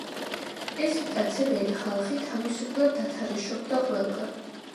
ეს მტაცებელი ხალხი თავისუფლად დათარეშობდა ყველგან.